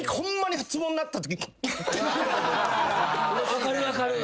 分かる分かる。